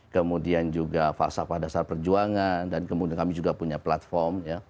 kemudian juga falsafah dasar perjuangan dan kemudian kami juga punya platform